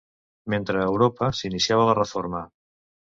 Mentre a Europa s'iniciava la Reforma.